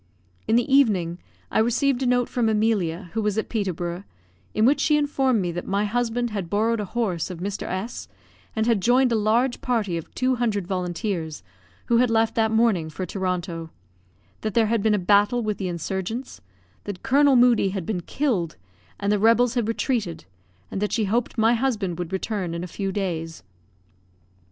In the evening, I received a note from Emilia, who was at Peterborough, in which she informed me that my husband had borrowed a horse of Mr. S , and had joined a large party of two hundred volunteers, who had left that morning for Toronto; that there had been a battle with the insurgents; that Colonel Moodie had been killed, and the rebels had retreated; and that she hoped my husband would return in a few days.